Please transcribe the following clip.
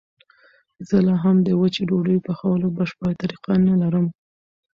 زه لا هم د وچې ډوډۍ پخولو بشپړه طریقه نه لرم.